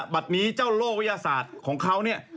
บัตรนี้เจ้าโลกวิทยาศาสตร์ของเขาเนี่ย